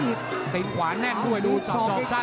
ติดตามยังน้อยกว่า